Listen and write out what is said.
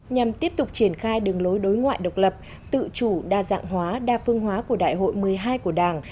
nhằm tiếp tục triển khai đường lối đối ngoại độc lập tự chủ đa dạng hóa đa phương hóa của đại hội một mươi hai của đảng